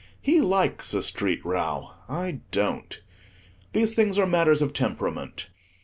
He likes a street row, I don't. These things are matters of temperament.